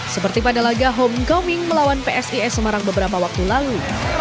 seperti pada laga home coming melawan psis semarang beberapa waktu lalu